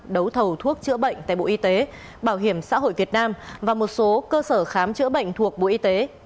đấu thầu thuốc chữa bệnh tại bộ y tế bảo hiểm xã hội việt nam và một số cơ sở khám chữa bệnh thuộc bộ y tế